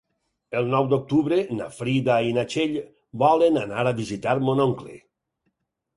El nou d'octubre na Frida i na Txell volen anar a visitar mon oncle.